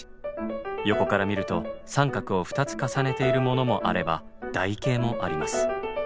横から見ると三角を２つ重ねているものもあれば台形もあります。